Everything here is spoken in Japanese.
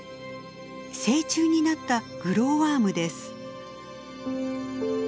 成虫になったグローワームです。